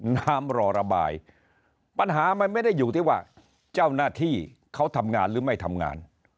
น้ำรอระบายปัญหามันไม่ได้อยู่ที่ว่าเจ้าหน้าที่เขาทำงานหรือไม่ทำงาน